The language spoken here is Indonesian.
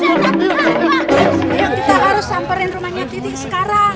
ville kita harus samperin rumahnyak titi sekarang